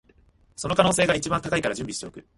その可能性が一番高いから準備しておく